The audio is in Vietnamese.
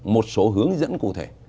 một số hướng dẫn cụ thể